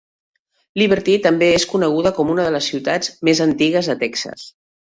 Liberty també és coneguda com una de les ciutats més antigues de Texas.